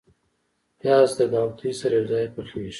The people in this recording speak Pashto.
پیاز د ګاوتې سره یو ځای پخیږي